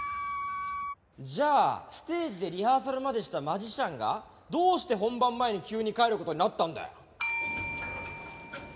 じゃあステージでリハーサルまでしたマジシャンがどうして本番前に急に帰る事になったんだよ？